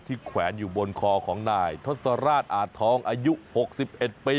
แขวนอยู่บนคอของนายทศราชอาจทองอายุ๖๑ปี